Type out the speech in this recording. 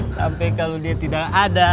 sampe kalo dia tidak ada